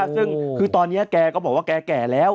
ซึ่งคือตอนนี้แกก็บอกว่าแกแก่แล้ว